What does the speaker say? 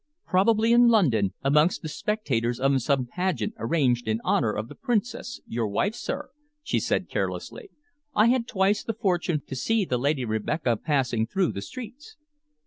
"Probably in London, amongst the spectators of some pageant arranged in honor of the princess, your wife, sir," she said carelessly. "I had twice the fortune to see the Lady Rebekah passing through the streets."